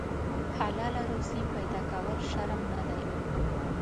حلاله روزي پیدا کول شرم نه دی.